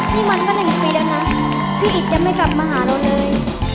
นี่มันก็๑ปีแล้วนะพี่อิตยังไม่กลับมาหาเราเลย